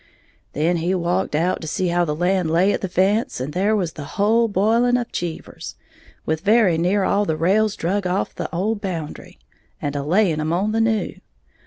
Then he walked out to see how the land lay at the fence; and there was the whole b'iling of Cheevers, with very near all the rails drug off the old boundary, and a laying 'em on the new.